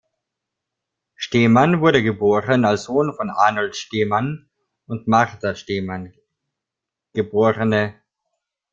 Stemann wurde geboren als Sohn von Arnold Stemann und Marta Stemann, geb.